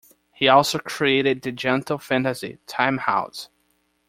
He also created the gentle fantasy "Timehouse".